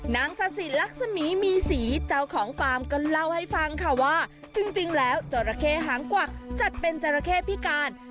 นางสะสินลักษมีมีศรีเจ้าของฟาร์มก็เล่าให้ฟังค่ะว่าจริงแล้วจราเข้หางกวักจัดเป็นจราเข้พิการ